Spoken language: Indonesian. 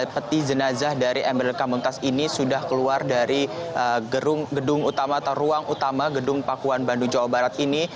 peti jenazah dari emil kamuntas ini sudah keluar dari gedung utama atau ruang utama gedung pakuan bandung jawa barat ini